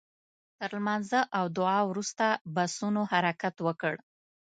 تر لمانځه او دعا وروسته بسونو حرکت وکړ.